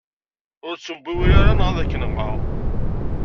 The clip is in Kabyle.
Ur ttembiwil ara neɣ ad k-nɣeɣ.